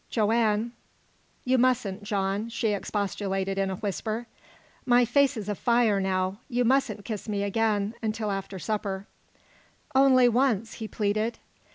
"Joanne " "You mustn't, John!" she expostulated in a whisper. "My face is afire now! You mustn't kiss me again until after supper " "Only once," he pleaded.